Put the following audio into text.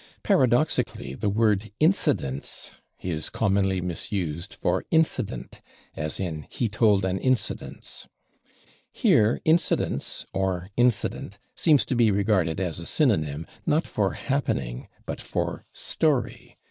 Paradoxically, the word /incidence/ is commonly misused for /incident/, as in "he told an /incidence/." Here /incidence/ (or /incident/) seems to be regarded as a synonym, not for /happening/, but for /story